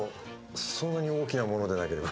そんなに大きなものでなければ。